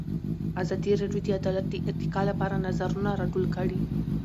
ازادي راډیو د عدالت د ارتقا لپاره نظرونه راټول کړي.